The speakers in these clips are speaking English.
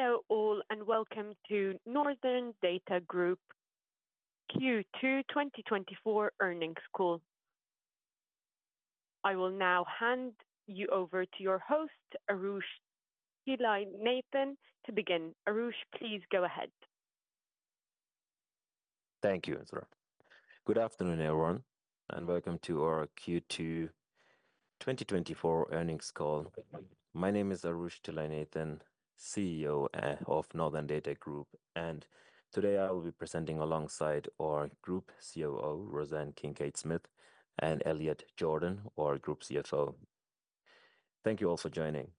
Hello all, and welcome to Northern Data Group Q2 2024 earnings call. I will now hand you over to your host, Aroosh Thillainathan, to begin. Aroosh, please go ahead. Thank you, Azra. Good afternoon, everyone, and welcome to our Q2 2024 earnings call. My name is Aroosh Thillainathan, CEO of Northern Data Group, and today I will be presenting alongside our Group COO, Rosanne Kincaid-Smith, and Elliot Jordan, our Group CFO. Thank you all for joining.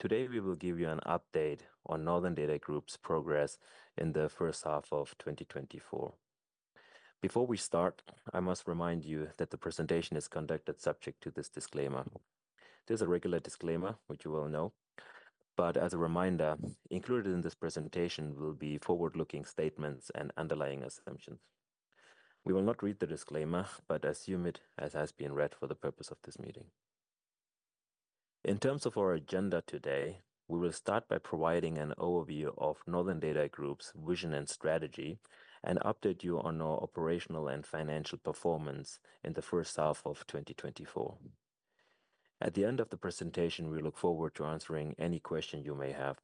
Today, we will give you an update on Northern Data Group's progress in the first half of 2024. Before we start, I must remind you that the presentation is conducted subject to this disclaimer. This is a regular disclaimer, which you well know, but as a reminder, included in this presentation will be forward-looking statements and underlying assumptions. We will not read the disclaimer, but assume it, as has been read for the purpose of this meeting. In terms of our agenda today, we will start by providing an overview of Northern Data Group's vision and strategy, and update you on our operational and financial performance in the first half of 2024. At the end of the presentation, we look forward to answering any question you may have.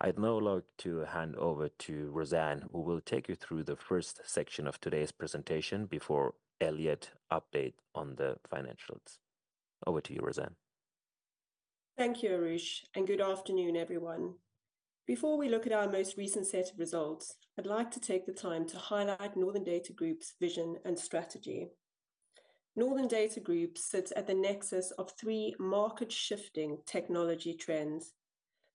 I'd now like to hand over to Rosanne, who will take you through the first section of today's presentation before Elliot update on the financials. Over to you, Rosanne. Thank you, Aroosh, and good afternoon, everyone. Before we look at our most recent set of results, I'd like to take the time to highlight Northern Data Group's vision and strategy. Northern Data Group sits at the nexus of three market-shifting technology trends.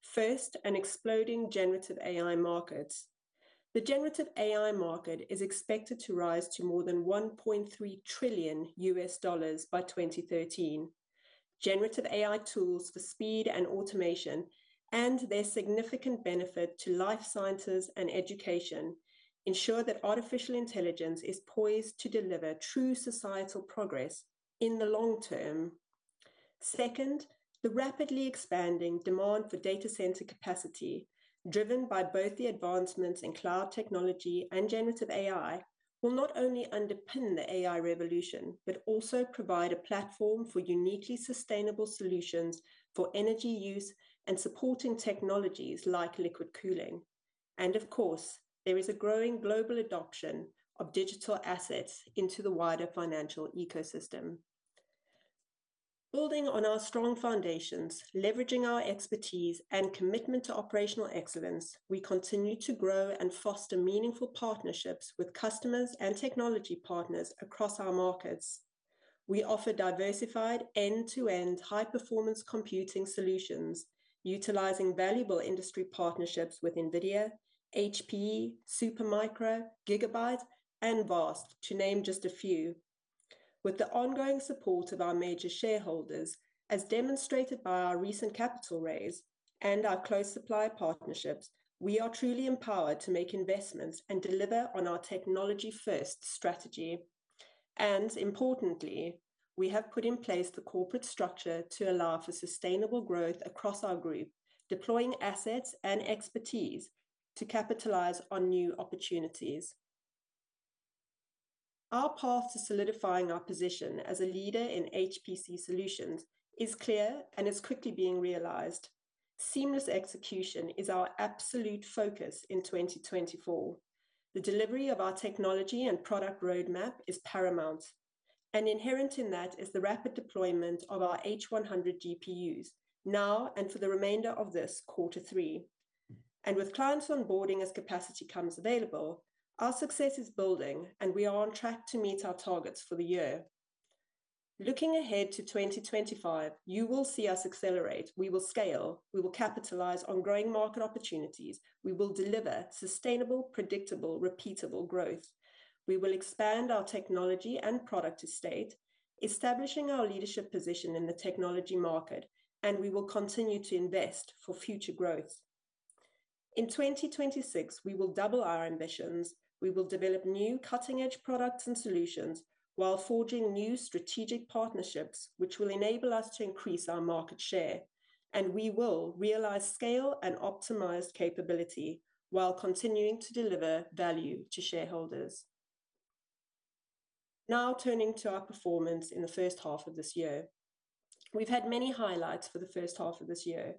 First, an exploding Generative AI market. The Generative AI market is expected to rise to more than $1.3 trillion by 2030. Generative AI tools for speed and automation, and their significant benefit to life sciences and education, ensure that artificial intelligence is poised to deliver true societal progress in the long term. Second, the rapidly expanding demand for data center capacity, driven by both the advancements in cloud technology and Generative AI, will not only underpin the AI revolution, but also provide a platform for uniquely sustainable solutions for energy use and supporting technologies like liquid cooling. Of course, there is a growing global adoption of digital assets into the wider financial ecosystem. Building on our strong foundations, leveraging our expertise and commitment to operational excellence, we continue to grow and foster meaningful partnerships with customers and technology partners across our markets. We offer diversified, end-to-end, high-performance computing solutions, utilizing valuable industry partnerships with NVIDIA, HPE, Supermicro, Gigabyte, and VAST Data, to name just a few. With the ongoing support of our major shareholders, as demonstrated by our recent capital raise and our close supply partnerships, we are truly empowered to make investments and deliver on our technology-first strategy. Importantly, we have put in place the corporate structure to allow for sustainable growth across our group, deploying assets and expertise to capitalize on new opportunities. Our path to solidifying our position as a leader in HPC solutions is clear and is quickly being realized. Seamless execution is our absolute focus in 2024. The delivery of our technology and product roadmap is paramount, and inherent in that is the rapid deployment of our H100 GPUs now and for the remainder of this quarter three. With clients onboarding as capacity comes available, our success is building, and we are on track to meet our targets for the year. Looking ahead to 2025, you will see us accelerate. We will scale. We will capitalize on growing market opportunities. We will deliver sustainable, predictable, repeatable growth. We will expand our technology and product estate, establishing our leadership position in the technology market, and we will continue to invest for future growth. In 2026, we will double our ambitions. We will develop new cutting-edge products and solutions while forging new strategic partnerships, which will enable us to increase our market share, and we will realize scale and optimized capability while continuing to deliver value to shareholders. Now, turning to our performance in the first half of this year. We've had many highlights for the first half of this year.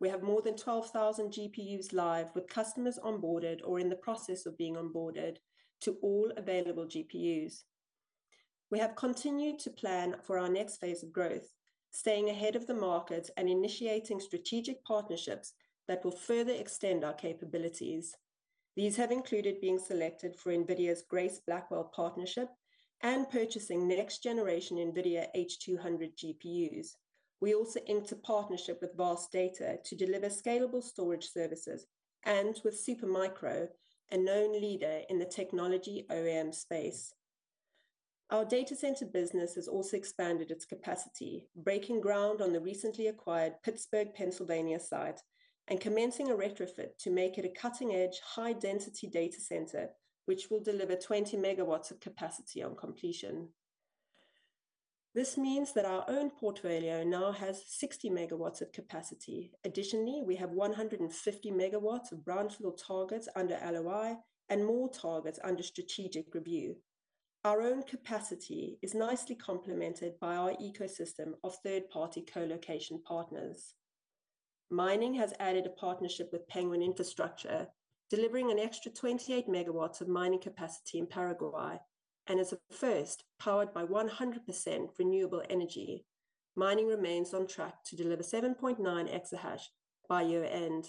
We have more than 12,000 GPUs live, with customers onboarded or in the process of being onboarded to all available GPUs. We have continued to plan for our next phase of growth, staying ahead of the market and initiating strategic partnerships that will further extend our capabilities. These have included being selected for NVIDIA's Grace Blackwell partnership and purchasing next-generation NVIDIA H200 GPUs. We also entered partnership with VAST Data to deliver scalable storage services, and with Supermicro, a known leader in the technology OEM space. Our data center business has also expanded its capacity, breaking ground on the recently acquired Pittsburgh, Pennsylvania, site and commencing a retrofit to make it a cutting-edge, high-density data center, which will deliver 20 MW of capacity on completion. This means that our own portfolio now has 60 MW of capacity. Additionally, we have 150 MW of brownfield targets under LOI and more targets under strategic review. Our own capacity is nicely complemented by our ecosystem of third-party co-location partners. Mining has added a partnership with Penguin Infrastructure, delivering an extra 28 MW of mining capacity in Paraguay, and as a first, powered by 100% renewable energy. Mining remains on track to deliver 7.9 exahash by year-end.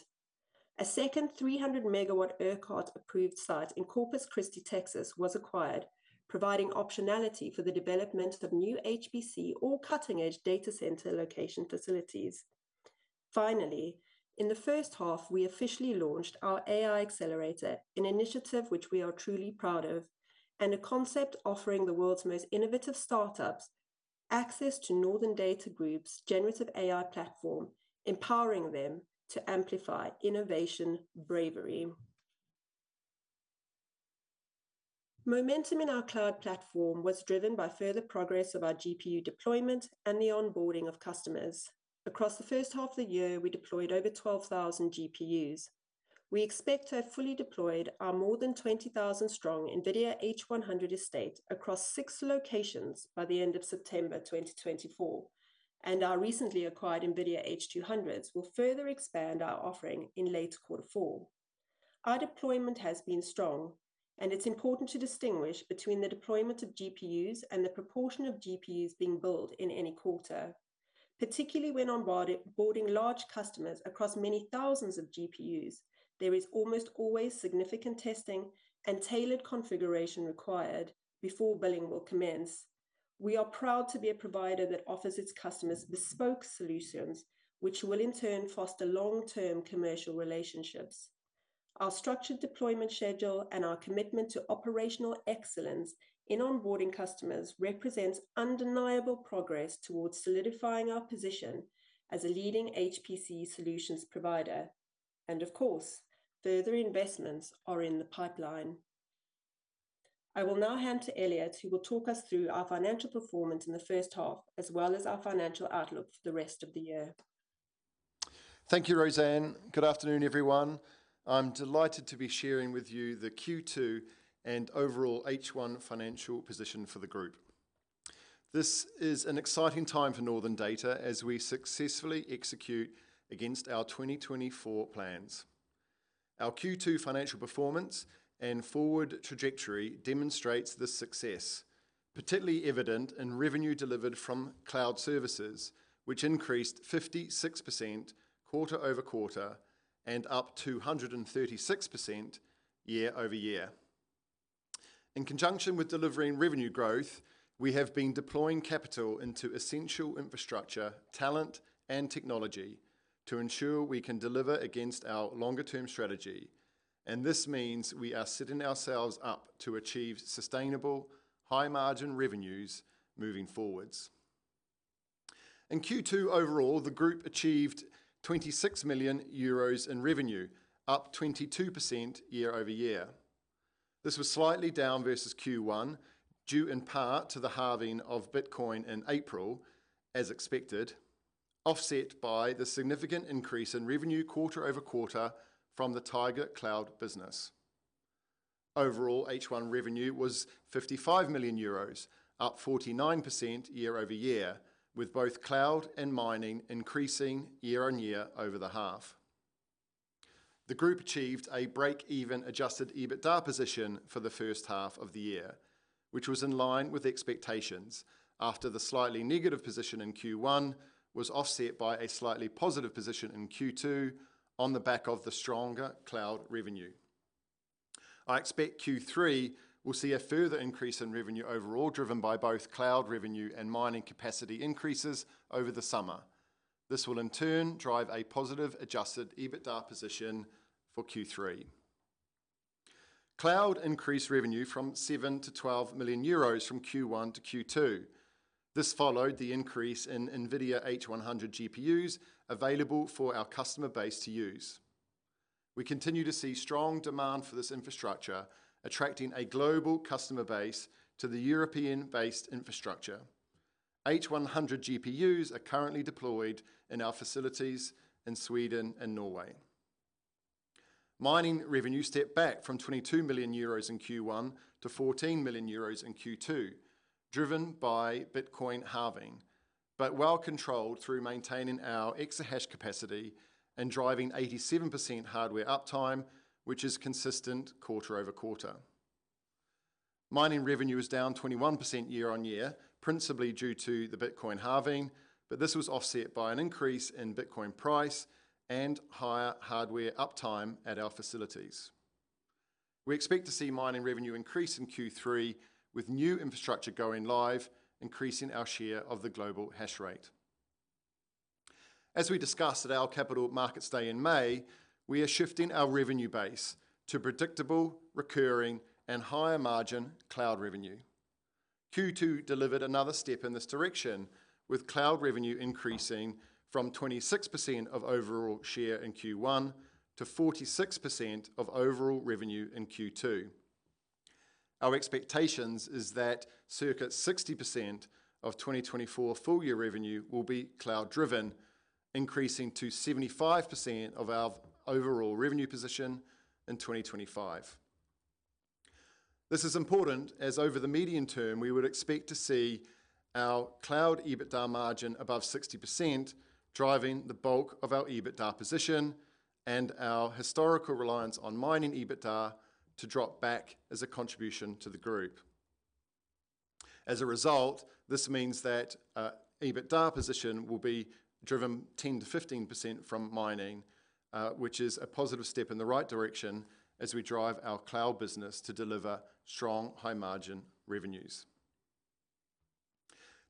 A second 300 MW ERCOT-approved site in Corpus Christi, Texas, was acquired, providing optionality for the development of new HPC or cutting-edge data center location facilities. Finally, in the first half, we officially launched our AI Accelerator, an initiative which we are truly proud of, and a concept offering the world's most innovative startups access to Northern Data Group's generative AI platform, empowering them to amplify innovation bravery. Momentum in our cloud platform was driven by further progress of our GPU deployment and the onboarding of customers. Across the first half of the year, we deployed over 12,000 GPUs. We expect to have fully deployed our more than 20,000-strong NVIDIA H100 estate across 6 locations by the end of September 2024, and our recently acquired NVIDIA H200s will further expand our offering in late Q4. Our deployment has been strong, and it's important to distinguish between the deployment of GPUs and the proportion of GPUs being billed in any quarter. Particularly when onboarding large customers across many thousands of GPUs, there is almost always significant testing and tailored configuration required before billing will commence. We are proud to be a provider that offers its customers bespoke solutions, which will in turn foster long-term commercial relationships. Our structured deployment schedule and our commitment to operational excellence in onboarding customers represents undeniable progress towards solidifying our position as a leading HPC solutions provider, and of course, further investments are in the pipeline. I will now hand to Elliot, who will talk us through our financial performance in the first half, as well as our financial outlook for the rest of the year. Thank you, Rosanne. Good afternoon, everyone. I'm delighted to be sharing with you the Q2 and overall H1 financial position for the group. This is an exciting time for Northern Data as we successfully execute against our 2024 plans. Our Q2 financial performance and forward trajectory demonstrates the success, particularly evident in revenue delivered from cloud services, which increased 56% quarter-over-quarter and up 236% year-over-year. In conjunction with delivering revenue growth, we have been deploying capital into essential infrastructure, talent, and technology to ensure we can deliver against our longer-term strategy, and this means we are setting ourselves up to achieve sustainable, high-margin revenues moving forward. In Q2, overall, the group achieved 26 million euros in revenue, up 22% year-over-year. This was slightly down versus Q1, due in part to the halving of Bitcoin in April, as expected, offset by the significant increase in revenue quarter-over-quarter from the Taiga Cloud business. Overall, H1 revenue was 55 million euros, up 49% year-over-year, with both cloud and mining increasing year-on-year over the half. The group achieved a break-even adjusted EBITDA position for the first half of the year, which was in line with expectations after the slightly negative position in Q1 was offset by a slightly positive position in Q2 on the back of the stronger cloud revenue. I expect Q3 will see a further increase in revenue overall, driven by both cloud revenue and mining capacity increases over the summer. This will in turn drive a positive adjusted EBITDA position for Q3. Cloud increased revenue from 7 million to 12 million euros from Q1 to Q2. This followed the increase in NVIDIA H100 GPUs available for our customer base to use. We continue to see strong demand for this infrastructure, attracting a global customer base to the European-based infrastructure. H100 GPUs are currently deployed in our facilities in Sweden and Norway. Mining revenue stepped back from 22 million euros in Q1 to 14 million euros in Q2, driven by Bitcoin halving, but well controlled through maintaining our exahash capacity and driving 87% hardware uptime, which is consistent quarter-over-quarter. Mining revenue is down 21% year-on-year, principally due to the Bitcoin halving, but this was offset by an increase in Bitcoin price and higher hardware uptime at our facilities. We expect to see mining revenue increase in Q3, with new infrastructure going live, increasing our share of the global hash rate. As we discussed at our Capital Markets Day in May, we are shifting our revenue base to predictable, recurring, and higher-margin cloud revenue. Q2 delivered another step in this direction, with cloud revenue increasing from 26% of overall share in Q1 to 46% of overall revenue in Q2. Our expectations is that circa 60% of 2024 full-year revenue will be cloud-driven, increasing to 75% of our overall revenue position in 2025. This is important, as over the medium term, we would expect to see our cloud EBITDA margin above 60%, driving the bulk of our EBITDA position and our historical reliance on mining EBITDA to drop back as a contribution to the group. As a result, this means that, EBITDA position will be driven 10%-15% from mining, which is a positive step in the right direction as we drive our cloud business to deliver strong, high-margin revenues.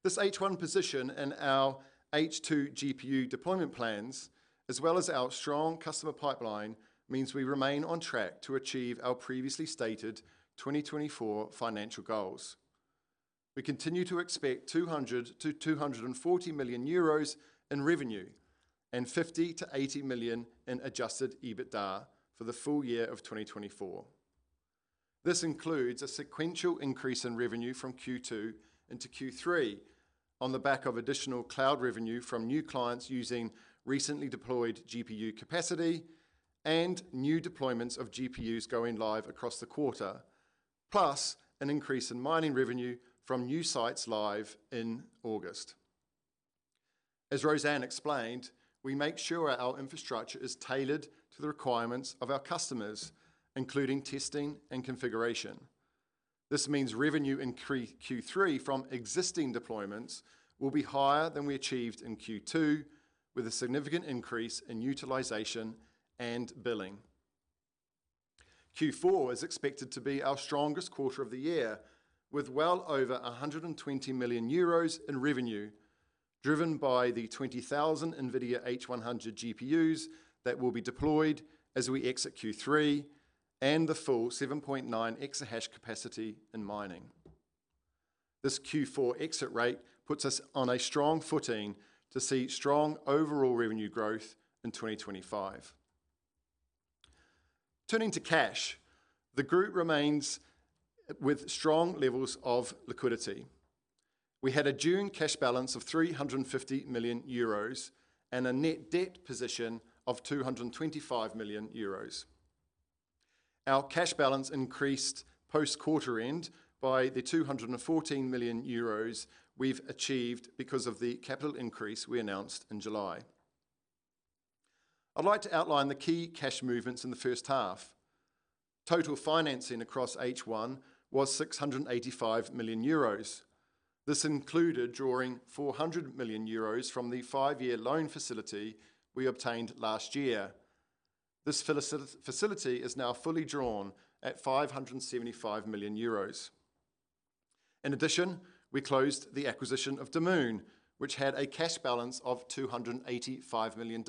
This H1 position and our H2 GPU deployment plans, as well as our strong customer pipeline, means we remain on track to achieve our previously stated 2024 financial goals. We continue to expect 200 million-240 million euros in revenue and 50 million-80 million in adjusted EBITDA for the full-year of 2024. This includes a sequential increase in revenue from Q2 into Q3 on the back of additional cloud revenue from new clients using recently deployed GPU capacity and new deployments of GPUs going live across the quarter, plus an increase in mining revenue from new sites live in August. As Rosanne explained, we make sure our infrastructure is tailored to the requirements of our customers, including testing and configuration. This means revenue increase Q3 from existing deployments will be higher than we achieved in Q2, with a significant increase in utilization and billing. Q4 is expected to be our strongest quarter of the year, with well over 120 million euros in revenue, driven by the 20,000 NVIDIA H100 GPUs that will be deployed as we exit Q3 and the full 7.9 exahash capacity in mining. This Q4 exit rate puts us on a strong footing to see strong overall revenue growth in 2025. Turning to cash, the group remains with strong levels of liquidity. We had a June cash balance of 350 million euros and a net debt position of 225 million euros. Our cash balance increased post-quarter end by 214 million euros we've achieved because of the capital increase we announced in July. I'd like to outline the key cash movements in the first half. Total financing across H1 was 685 million euros. This included drawing 400 million euros from the five-year loan facility we obtained last year. This facility is now fully drawn at 575 million euros. In addition, we closed the acquisition of Damoon, which had a cash balance of $285 million,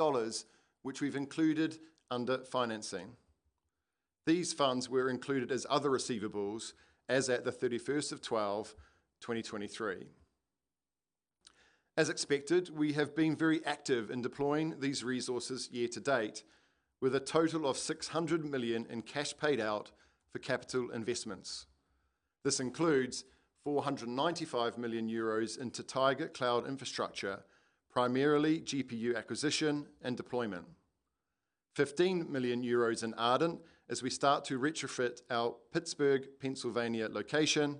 which we've included under financing. These funds were included as other receivables as at the thirty-first of December, 2023. As expected, we have been very active in deploying these resources year to date, with a total of 600 million in cash paid out for capital investments. This includes 495 million euros into Taiga Cloud Infrastructure, primarily GPU acquisition and deployment, 15 million euros in Ardent as we start to retrofit our Pittsburgh, Pennsylvania, location,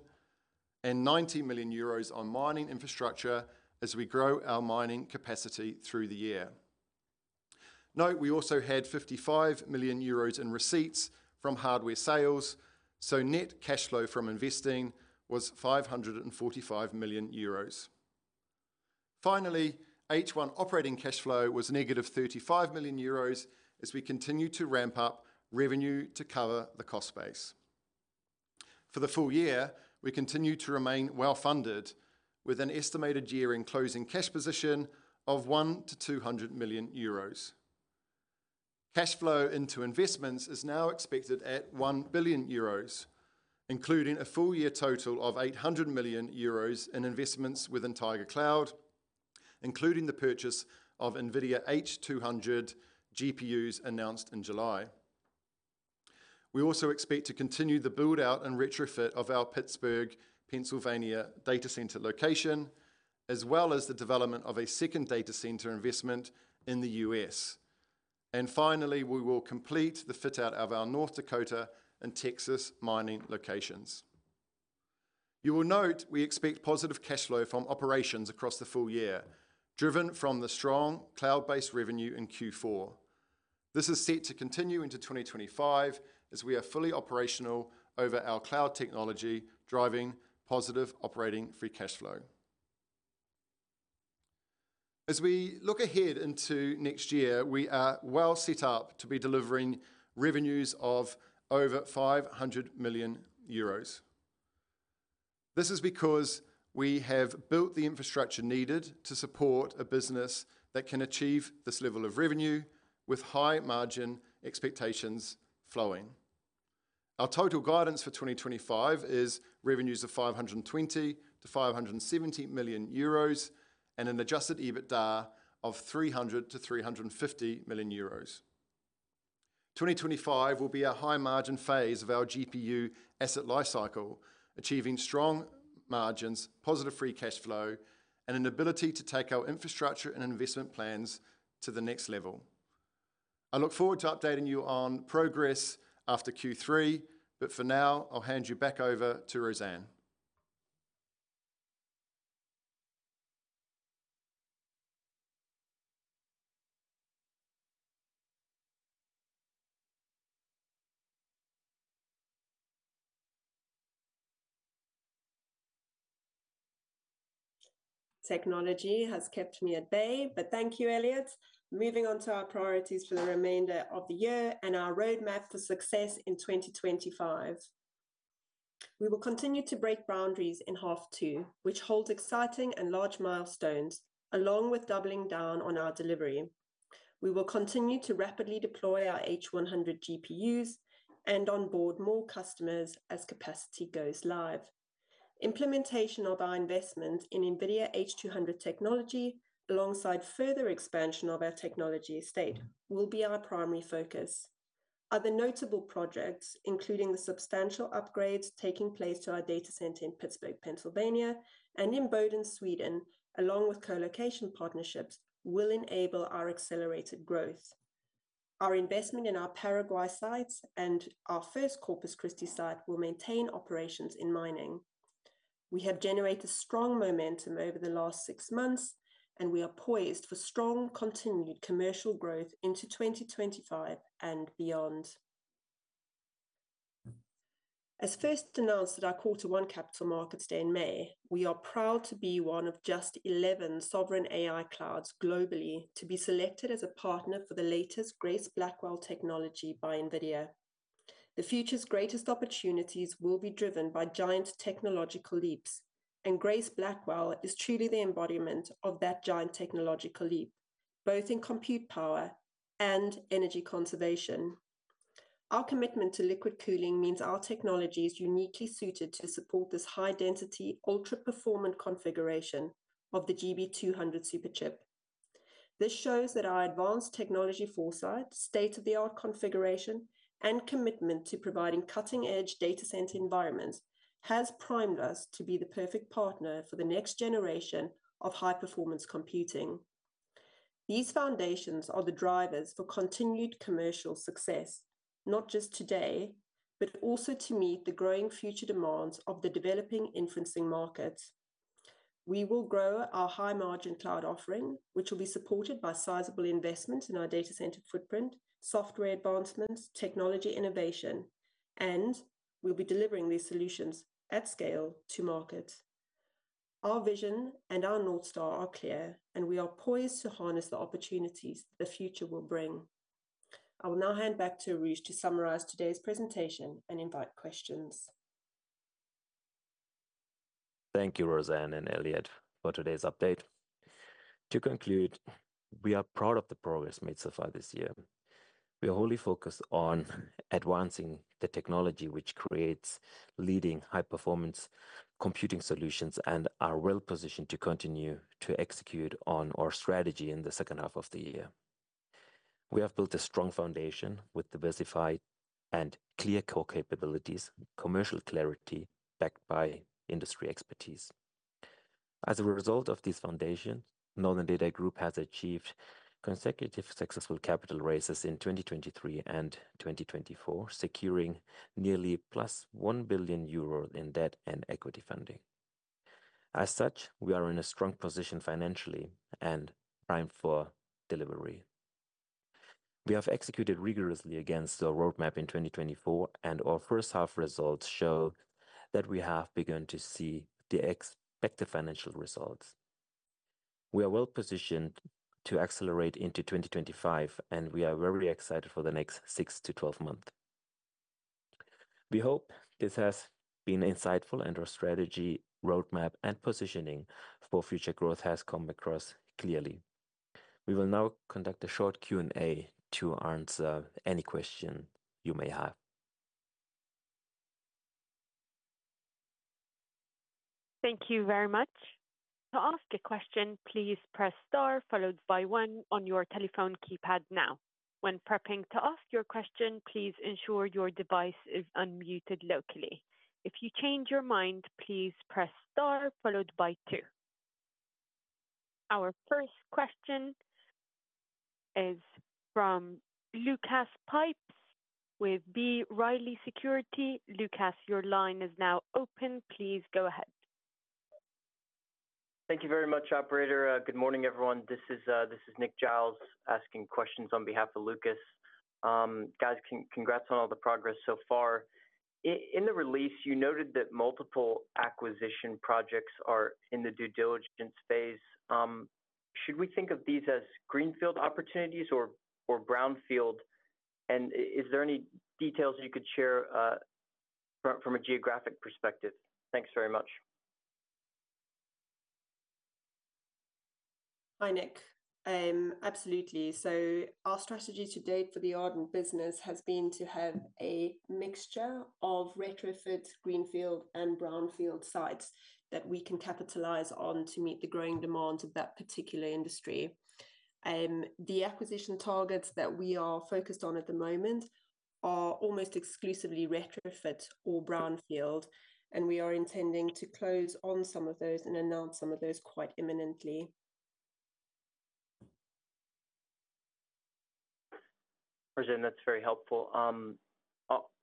and 90 million euros on mining infrastructure as we grow our mining capacity through the year. Note, we also had 55 million euros in receipts from hardware sales, so net cash flow from investing was 545 million euros. Finally, H1 operating cash flow was -35 million euros as we continue to ramp up revenue to cover the cost base. For the full-year, we continue to remain well-funded, with an estimated year-end closing cash position of 100 million-200 million euros. Cash flow into investments is now expected at 1 billion euros, including a full-year total of 800 million euros in investments within Taiga Cloud, including the purchase of NVIDIA H200 GPUs announced in July. We also expect to continue the build-out and retrofit of our Pittsburgh, Pennsylvania, data center location, as well as the development of a second data center investment in the U.S. Finally, we will complete the fit-out of our North Dakota and Texas mining locations. You will note we expect positive cash flow from operations across the full-year, driven from the strong cloud-based revenue in Q4. This is set to continue into 2025 as we are fully operational over our cloud technology, driving positive operating free cash flow. As we look ahead into next year, we are well set up to be delivering revenues of over 500 million euros. This is because we have built the infrastructure needed to support a business that can achieve this level of revenue with high-margin expectations flowing. Our total guidance for 2025 is revenues of 520 million-570 million euros and an adjusted EBITDA of 300 million-350 million euros. 2025 will be a high-margin phase of our GPU asset life cycle, achieving strong margins, positive free cash flow, and an ability to take our infrastructure and investment plans to the next level. I look forward to updating you on progress after Q3, but for now, I'll hand you back over to Rosanne. Technology has kept me at bay, but thank you, Elliot. Moving on to our priorities for the remainder of the year and our roadmap for success in 2025. We will continue to break boundaries in H2, which holds exciting and large milestones, along with doubling down on our delivery. We will continue to rapidly deploy our H100 GPUs and onboard more customers as capacity goes live. Implementation of our investment in NVIDIA H200 technology, alongside further expansion of our technology estate, will be our primary focus. Other notable projects, including the substantial upgrades taking place to our data center in Pittsburgh, Pennsylvania, and in Boden, Sweden, along with co-location partnerships, will enable our accelerated growth. Our investment in our Paraguay sites and our first Corpus Christi site will maintain operations in mining. We have generated strong momentum over the last six months, and we are poised for strong continued commercial growth into 2025 and beyond. As first announced at our Q1 Capital Markets Day in May, we are proud to be one of just 11 sovereign AI clouds globally to be selected as a partner for the latest Grace Blackwell technology by NVIDIA. The future's greatest opportunities will be driven by giant technological leaps, and Grace Blackwell is truly the embodiment of that giant technological leap, both in compute power and energy conservation. Our commitment to liquid cooling means our technology is uniquely suited to support this high-density, ultra-performant configuration of the GB200 Superchip. This shows that our advanced technology foresight, state-of-the-art configuration, and commitment to providing cutting-edge data center environments has primed us to be the perfect partner for the next generation of high-performance computing. These foundations are the drivers for continued commercial success, not just today, but also to meet the growing future demands of the developing inferencing markets. We will grow our high-margin cloud offering, which will be supported by sizable investment in our data center footprint, software advancements, technology innovation, and we'll be delivering these solutions at scale to market. Our vision and our North Star are clear, and we are poised to harness the opportunities the future will bring. I will now hand back to Aroosh to summarize today's presentation and invite questions. Thank you, Rosanne and Elliot, for today's update. To conclude, we are proud of the progress made so far this year. We are wholly focused on advancing the technology which creates leading high-performance computing solutions and are well positioned to continue to execute on our strategy in the second half of the year. We have built a strong foundation with diversified and clear core capabilities, commercial clarity, backed by industry expertise. As a result of this foundation, Northern Data Group has achieved consecutive successful capital raises in 2023 and 2024, securing nearly +1 billion euros in debt and equity funding. As such, we are in a strong position financially and primed for delivery. We have executed rigorously against our roadmap in 2024, and our first half results show that we have begun to see the expected financial results. We are well positioned to accelerate into 2025, and we are very excited for the next 6-12 months. We hope this has been insightful and our strategy, roadmap, and positioning for future growth has come across clearly. We will now conduct a short Q&A to answer any question you may have. Thank you very much. To ask a question, please press star followed by one on your telephone keypad now. When prepping to ask your question, please ensure your device is unmuted locally. If you change your mind, please press star followed by two. Our first question is from Lucas Pipes with B. Riley Securities. Lucas, your line is now open. Please go ahead. Thank you very much, operator. Good morning, everyone. This is Nick Giles asking questions on behalf of Lucas. Guys, congrats on all the progress so far. In the release, you noted that multiple acquisition projects are in the due diligence phase. Should we think of these as greenfield opportunities or brownfield? And is there any details you could share from a geographic perspective? Thanks very much. Hi, Nick. Absolutely. So our strategy to date for the Ardent business has been to have a mixture of retrofit, greenfield, and brownfield sites that we can capitalize on to meet the growing demands of that particular industry. The acquisition targets that we are focused on at the moment are almost exclusively retrofit or brownfield, and we are intending to close on some of those and announce some of those quite imminently. Rosanne, that's very helpful.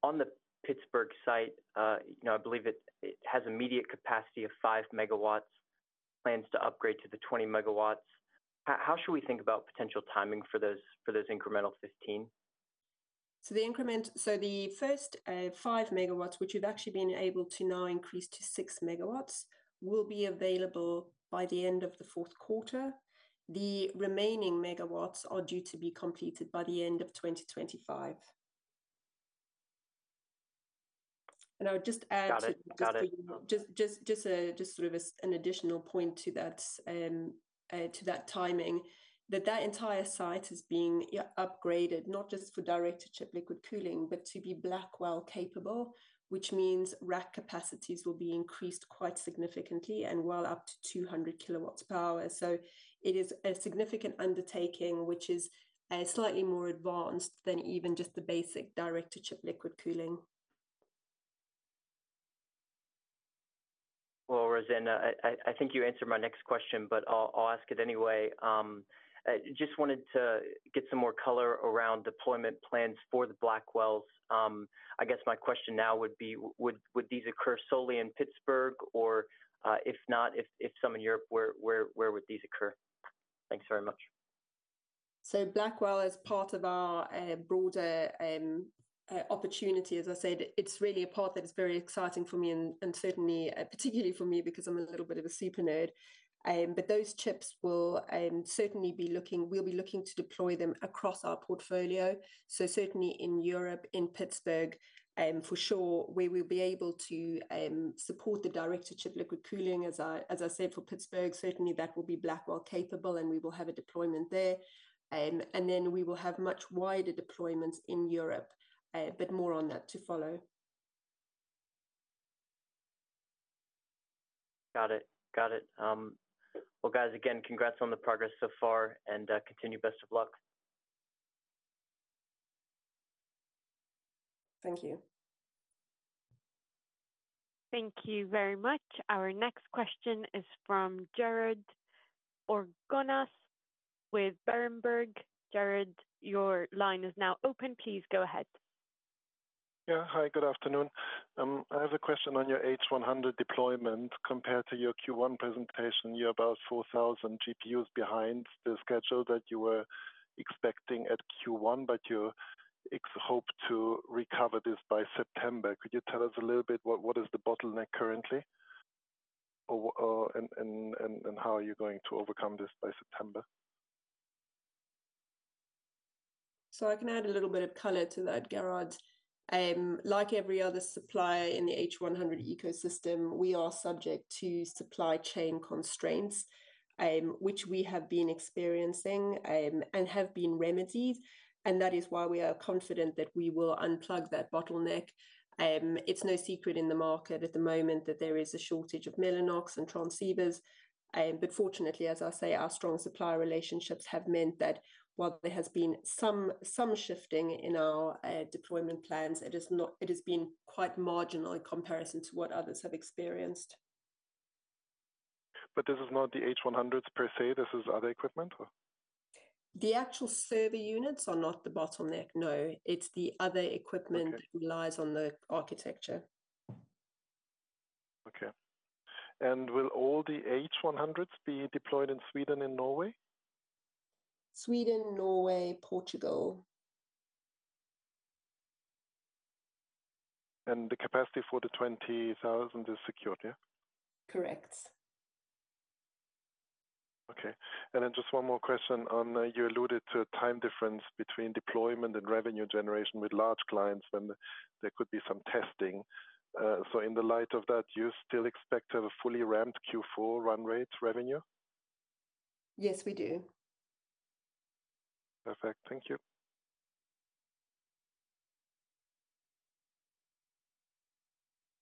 On the Pittsburgh site, you know, I believe it has immediate capacity of 5 MW, plans to upgrade to the 20 MW. How should we think about potential timing for those incremental 15? So the first 5 MW, which we've actually been able to now increase to 6 MW, will be available by the end of the fourth quarter. The remaining megawatts are due to be completed by the end of 2025. And I would just add to- Got it. Got it. Just sort of as an additional point to that, to that timing, that entire site is being upgraded, not just for direct-to-chip liquid cooling, but to be Blackwell capable, which means rack capacities will be increased quite significantly and well up to 200 kilowatts power. So it is a significant undertaking, which is slightly more advanced than even just the basic direct-to-chip liquid cooling. Well, Rosanne, I think you answered my next question, but I'll ask it anyway. Just wanted to get some more color around deployment plans for the Blackwells. I guess my question now would be, would these occur solely in Pittsburgh or, if not, some in Europe, where would these occur? Thanks very much. So Blackwell is part of our broader opportunity. As I said, it's really a part that is very exciting for me and certainly particularly for me, because I'm a little bit of a super nerd. But those chips will certainly. We'll be looking to deploy them across our portfolio. So certainly in Europe, in Pittsburgh, for sure, we will be able to support the direct-to-chip liquid cooling, as I said, for Pittsburgh, certainly that will be Blackwell capable, and we will have a deployment there. And then we will have much wider deployments in Europe, but more on that to follow. Got it. Got it. Well, guys, again, congrats on the progress so far, and continue. Best of luck. Thank you. Thank you very much. Our next question is from Gerard Orgonas with Berenberg. Gerard, your line is now open. Please go ahead. Yeah. Hi, good afternoon. I have a question on your H100 deployment. Compared to your Q1 presentation, you're about 4,000 GPUs behind the schedule that you were expecting at Q1, but you expect to recover this by September. Could you tell us a little bit what is the bottleneck currently? Or, and how are you going to overcome this by September? So I can add a little bit of color to that, Gerard. Like every other supplier in the H100 ecosystem, we are subject to supply chain constraints, which we have been experiencing, and have been remedied, and that is why we are confident that we will unplug that bottleneck. It's no secret in the market at the moment that there is a shortage of Mellanox and transceivers. Fortunately, as I say, our strong supplier relationships have meant that while there has been some shifting in our deployment plans, it is not, it has been quite marginal in comparison to what others have experienced. This is not the H100s per se, this is other equipment or? The actual server units are not the bottleneck, no. It's the other equipment- Okay. that relies on the architecture. Okay. Will all the H100s be deployed in Sweden and Norway? Sweden, Norway, Portugal. The capacity for the 20,000 is secured, yeah? Correct. Okay, and then just one more question. You alluded to a time difference between deployment and revenue generation with large clients, and there could be some testing. So in the light of that, do you still expect to have a fully ramped Q4 run rate revenue? Yes, we do. Perfect. Thank you.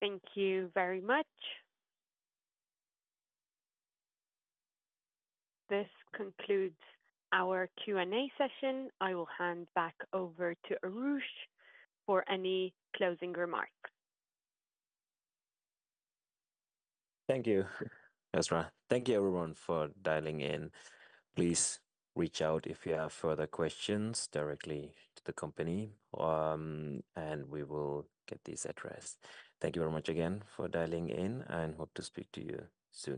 Thank you very much. This concludes our Q&A session. I will hand back over to Aroosh for any closing remarks. Thank you, Azra. Thank you everyone for dialing in. Please reach out if you have further questions directly to the company, and we will get this addressed. Thank you very much again for dialing in, and hope to speak to you soon.